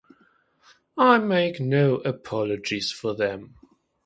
I make no apologies for them.